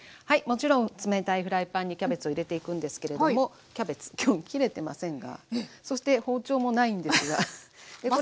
はいもちろん冷たいフライパンにキャベツを入れていくんですけれどもキャベツ今日切れてませんがそして包丁もないんですが。